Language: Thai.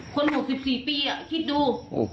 คน๖๔ปีอ่ะคิดดู